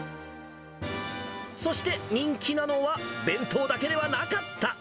そして人気なのは、弁当だけではなかった。